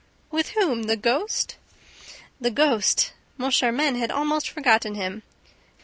"With whom? The ghost?" The ghost! Moncharmin had almost forgotten him.